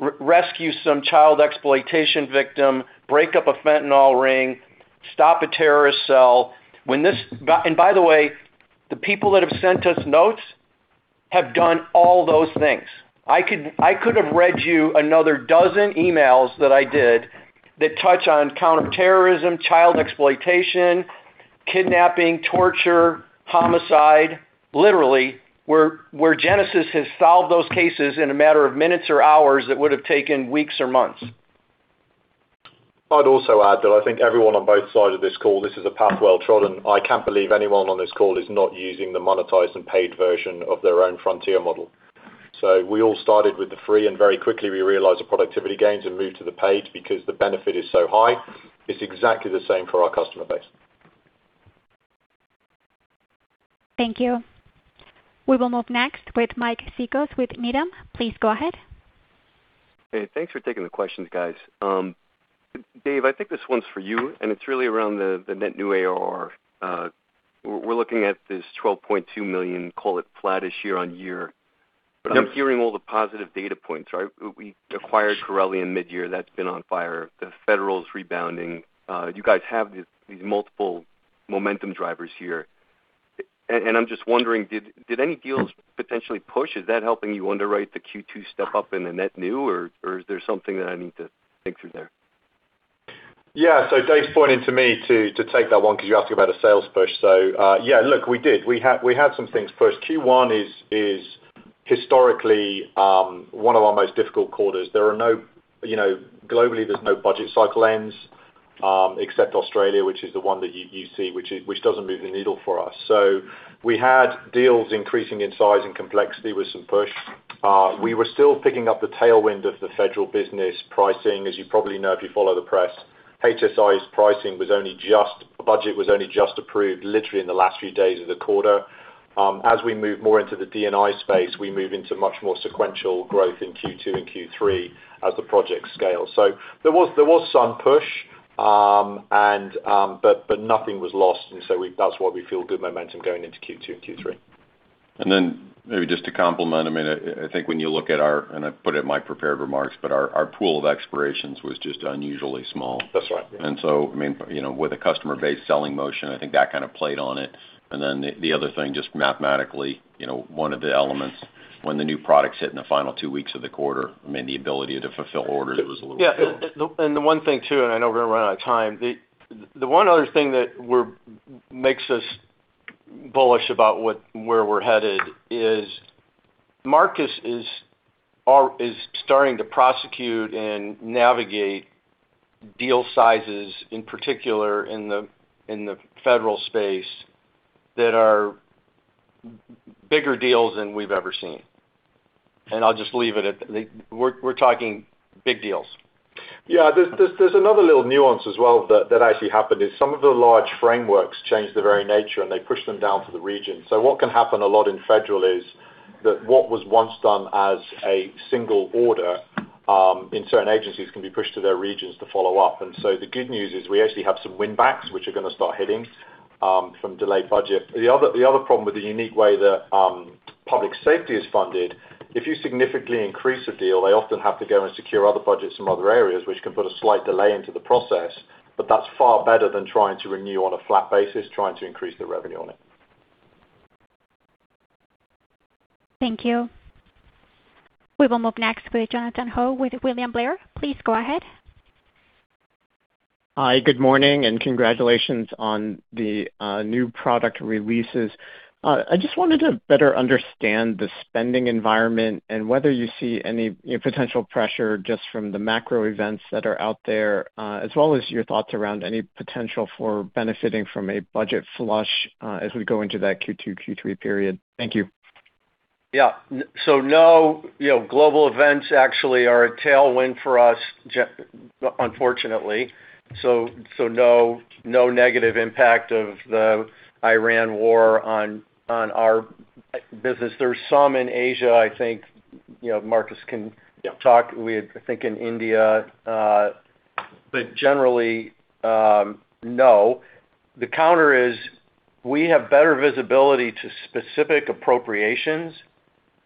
re-rescue some child exploitation victim, break up a fentanyl ring, stop a terrorist cell. By the way, the people that have sent us notes have done all those things. I could have read you another dozen emails that I did that touch on counter-terrorism, child exploitation, kidnapping, torture, homicide, literally, where Genesis has solved those cases in a matter of minutes or hours that would have taken weeks or months. I'd also add that I think everyone on both sides of this call, this is a path well trodden. I can't believe anyone on this call is not using the monetized and paid version of their own frontier model. We all started with the free, and very quickly, we realized the productivity gains and moved to the paid because the benefit is so high. It's exactly the same for our customer base. Thank you. We will move next with Mike Cikos with Needham. Please go ahead. Hey, thanks for taking the questions, guys. Dave, I think this one's for you, and it's really around the net new ARR. We're looking at this $12.2 million, call it, flat-ish year-over-year. Yep. I'm hearing all the positive data points, right? We acquired Corellium in midyear. That's been on fire. The federal is rebounding. You guys have these multiple momentum drivers here. I'm just wondering, did any deals potentially push? Is that helping you underwrite the Q2 step-up in the net new, or is there something that I need to think through there? Dave's pointing to me to take that one because you're asking about a sales push. Yeah, look, we did. We had some things pushed. Q1 is historically one of our most difficult quarters. There are no, you know, globally, there's no budget cycle ends, except Australia, which is the one that you see, which doesn't move the needle for us. We had deals increasing in size and complexity with some push. We were still picking up the tailwind of the federal business pricing. As you probably know if you follow the press, HSI's pricing budget was only just approved literally in the last few days of the quarter. As we move more into the DNI space, we move into much more sequential growth in Q2 and Q3 as the project scales. There was some push, and, but nothing was lost, and so that's why we feel good momentum going into Q2 and Q3. Maybe just to complement, I mean, I think when you look at our and I put it in my prepared remarks, but our pool of expirations was just unusually small. That's right, yeah. I mean, you know, with a customer base selling motion, I think that kind of played on it. The other thing, just mathematically, you know, one of the elements, when the new products hit in the final two weeks of the quarter, I mean, the ability to fulfill orders was a little bit better. Yeah, the one thing too, I know we're gonna run out of time. The one other thing that makes us bullish about where we're headed is Marcus is starting to prosecute and navigate deal sizes, in particular in the federal space, that are bigger deals than we've ever seen. I'll just leave it at the. We're talking big deals. Yeah. There's another little nuance as well that actually happened, is some of the large frameworks changed their very nature, and they pushed them down to the region. What can happen a lot in federal is that what was once done as a single order, in certain agencies can be pushed to their regions to follow up. The good news is we actually have some win backs which are gonna start hitting from delayed budget. The other problem with the unique way that public safety is funded, if you significantly increase a deal, they often have to go and secure other budgets from other areas, which can put a slight delay into the process. That's far better than trying to renew on a flat basis, trying to increase the revenue on it. Thank you. We will move next with Jonathan Ho with William Blair. Please go ahead. Hi. Good morning and congratulations on the new product releases. I just wanted to better understand the spending environment and whether you see any, you know, potential pressure just from the macro events that are out there, as well as your thoughts around any potential for benefiting from a budget flush, as we go into that Q2, Q3 period. Thank you. Yeah. You know, global events actually are a tailwind for us unfortunately. No negative impact of the Iran war on our business. There's some in Asia, I think, you know, Marcus. Yeah. -talk. We had, I think, in India. Generally, no. The counter is we have better visibility to specific appropriations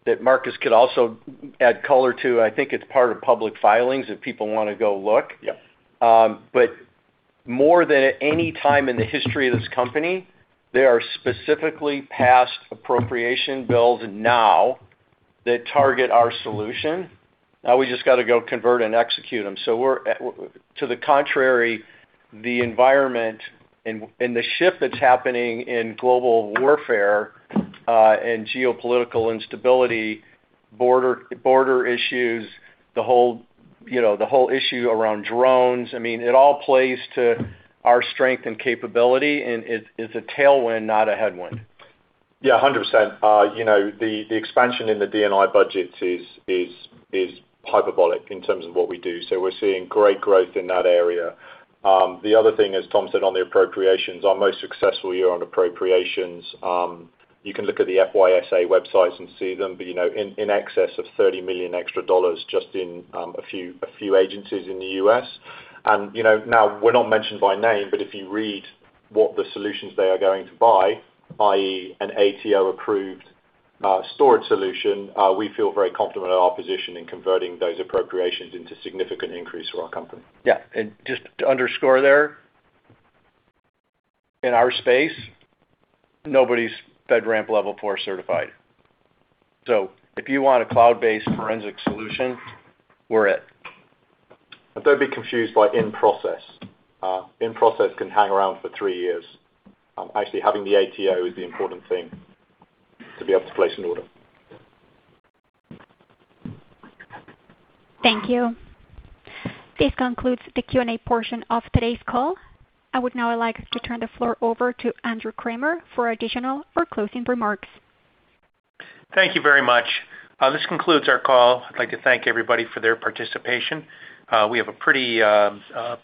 that Marcus could also add color to. I think it's part of public filings if people wanna go look. Yeah. More than at any time in the history of this company, there are specifically passed appropriation bills now that target our solution. Now we just gotta go convert and execute them. We're to the contrary, the environment and the shift that's happening in global warfare, and geopolitical instability, border issues, the whole, you know, the whole issue around drones, I mean, it all plays to our strength and capability, and it's a tailwind, not a headwind. Yeah, 100%. You know, the expansion in the DNI budgets is hyperbolic in terms of what we do. We're seeing great growth in that area. The other thing, as Tom said on the appropriations, our most successful year on appropriations, you can look at the FYSA websites and see them, but, you know, in excess of $30 million extra dollars just in a few agencies in the U.S. You know, now we're not mentioned by name, but if you read what the solutions they are going to buy, i.e., an ATO-approved storage solution, we feel very confident in our position in converting those appropriations into significant increase for our company. Yeah. Just to underscore there, in our space, nobody's FedRAMP level 4 certified. If you want a cloud-based forensic solution, we're it. Don't be confused by in-process. In-process can hang around for three years. Actually having the ATO is the important thing to be able to place an order. Thank you. This concludes the Q&A portion of today's call. I would now like to turn the floor over to Andrew Kramer for additional or closing remarks. Thank you very much. This concludes our call. I'd like to thank everybody for their participation. We have a pretty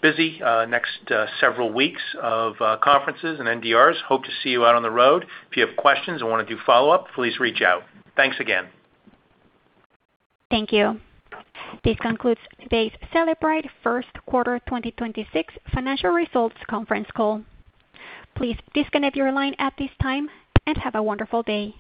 busy next several weeks of conferences and NDRs. Hope to see you out on the road. If you have questions or wanna do follow-up, please reach out. Thanks again. Thank you. This concludes today's Cellebrite first quarter 2026 financial results conference call. Please disconnect your line at this time, and have a wonderful day.